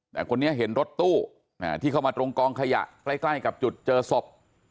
แต่คนนี้เห็นรถตู้ที่เข้ามาตรงกองขยะใกล้กับจุดเจอศพ